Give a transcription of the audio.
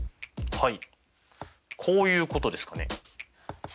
はい。